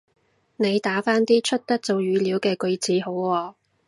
你打返啲出得做語料嘅句子好喎